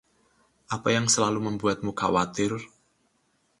Apa yang selalu membuatmu khawatir?